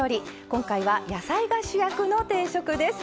今回は野菜が主役の定食です。